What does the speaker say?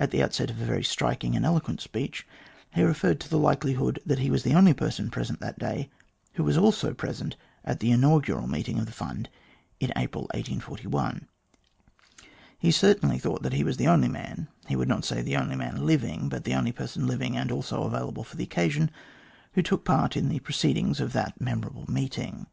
At the outset of a very striking and eloquent speech, he referred to the likelihood that he was the only person present that day who was also present at the inaugural meeting of the Fund in April, 1841. He certainly thought he was the only man he would not say the only man living, but the only person living and also available for the occasion who took part in the proceedings of that memorable meeting.